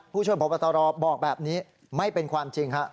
ผู้ช่วยพบตรบอกแบบนี้ไม่เป็นความจริงฮะ